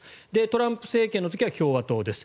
トランプ政権の時は共和党です。